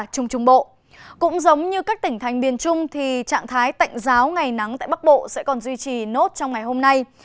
trong các tỉnh thành biên trung trạng thái tạnh giáo ngày nắng tại bắc bộ sẽ còn duy trì nốt trong ngày hôm nay